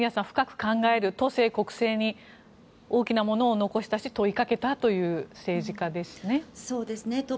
深く考える都政、国政に大きなものを残したし問いかけたという政治家ですね。